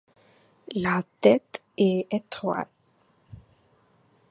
La tête est étroite.